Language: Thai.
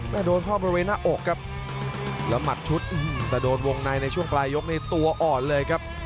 โดนเข้าบริเวณหน้าอกครับแล้วหมัดชุดแต่โดนวงในในช่วงปลายยกนี้ตัวอ่อนเลยครับ